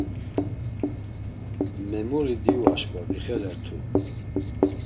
Memuri diyu aşǩva vixelertu.